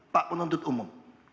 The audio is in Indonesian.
pak penuntut umum